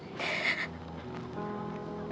aku bisa mengabdi dan merawatnya